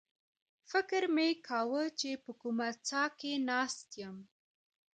فکر مې کاوه چې په کومه څاه کې ناست یم.